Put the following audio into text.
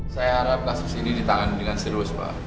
saya harap kasus ini ditangani dengan serius pak